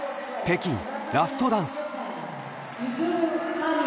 北京、ラストダンス。